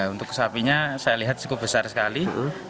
untuk sapinya saya lihat cukup besar sekali